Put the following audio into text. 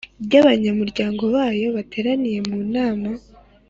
by abanyamuryango bawo bateraniye mu nama